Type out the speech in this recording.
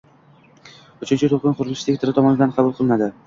Uchinchi to'lqin qurilish sektori tomonidan qabul qilinadi